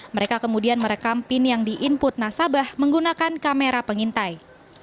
mereka kemudian merekam pin yang di input nasabah menggunakan kamera pengintai